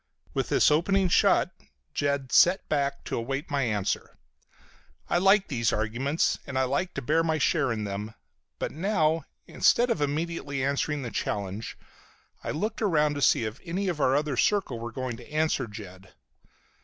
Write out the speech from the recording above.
With this opening shot Jed sat back to await my answer. I liked these arguments and I liked to bear my share in them, but now, instead of immediately answering the challenge, I looked around to see if any other of our circle were going to answer Jed.